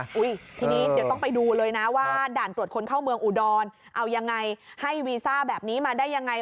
ทีนี้เดี๋ยวต้องไปดูเลยนะว่าด่านตรวจคนเข้าเมืองอุดรเอายังไงให้วีซ่าแบบนี้มาได้ยังไง